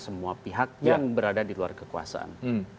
semua pihak yang berada di luar kekuasaan